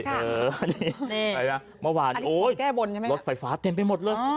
เมื่อวานรถไฟฟ้าเต็มไปหมดเลย